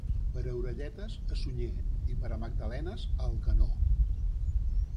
Per a orelletes a Sunyer i per a magdalenes a Alcanó.